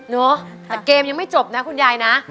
เนาะแต่เกมยังไม่จบนะคุณยายนะ